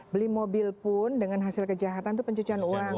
beli mobil pun dengan hasil kejahatan itu pencucian uang